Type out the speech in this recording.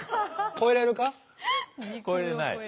超えれない。